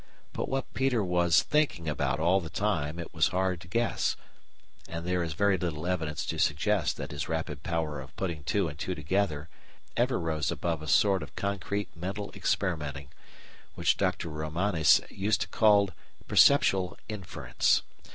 But what Peter was thinking about all the time it was hard to guess, and there is very little evidence to suggest that his rapid power of putting two and two together ever rose above a sort of concrete mental experimenting, which Dr. Romanes used to call perceptual inference.